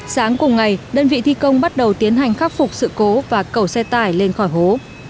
sáng cùng ngày đơn vị thi công bắt đầu tiến hành khắc phục sự cố và cầu xe tải lên khỏi hố